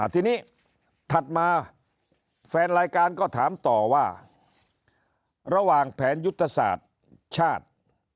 ทีนี้ถัดมาแฟนรายการก็ถามต่อว่าระหว่างแผนยุทธศาสตร์ชาติ